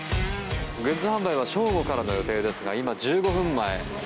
グッズ販売は正午からの予定ですが今、１５分前。